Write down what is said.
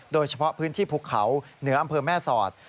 โดยเฉพาะพื้นที่ภูเขาเหนืออำเภอแม่สอด